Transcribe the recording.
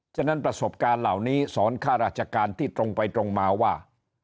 ฉะนั้นประสบการณ์เหล่านี้สอนข้าราชการที่ตรงไปตรงมาว่า